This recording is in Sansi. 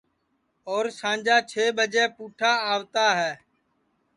اور سانجا چھیں ٻجیں پُٹھا آوتا ہے